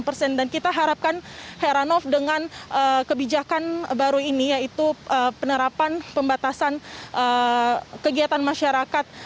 lima puluh persen dan kita harapkan heranov dengan kebijakan baru ini yaitu penerapan pembatasan kegiatan masyarakat